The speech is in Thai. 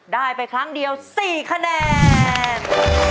ได้ไปครั้งเดียว๔คะแนน